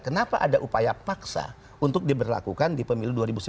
kenapa ada upaya paksa untuk diberlakukan di pemilu dua ribu sembilan belas